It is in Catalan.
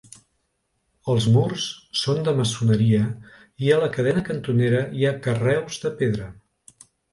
Els murs són de maçoneria, i a la cadena cantonera hi ha carreus de pedra.